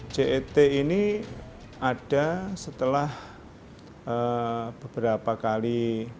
cet ini ada setelah beberapa kali